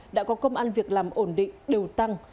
đã có công an việc làm ổn định đều tăng